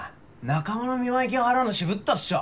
仲間の見舞い金払うの渋ったっしょ。